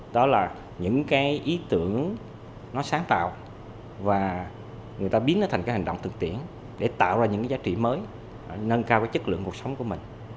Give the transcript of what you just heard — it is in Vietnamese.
đó là những ý tưởng sáng tạo và người ta biến nó thành hành động thực tiễn để tạo ra những giá trị mới nâng cao chất lượng cuộc sống của mình